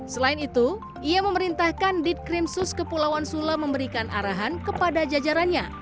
selain itu ia memerintahkan ditkrimsus kepulauan sula memberikan arahan kepada jajarannya